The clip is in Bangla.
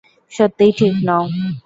সত্যিই ঠিক নও।